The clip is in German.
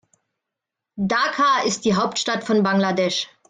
Dhaka ist die Hauptstadt von Bangladesch.